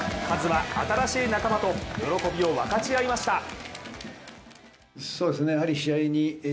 カズは新しい仲間と喜びを分かち合いました。